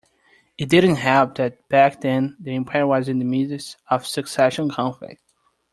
It didn't help that back then the empire was in the midst of a succession conflict.